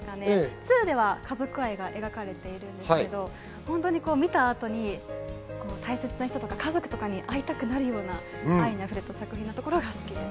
２では家族愛が描かれているんですけど、見たあとに大切な人や家族に会いたくなるような、愛にあふれた作品というところが好きです。